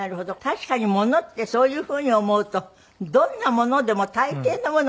確かに物ってそういうふうに思うとどんなものでも大抵のものは何かに見えますよね。